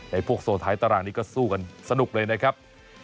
พวกโซนท้ายตารางนี้ก็สู้กันสนุกเลยนะครับ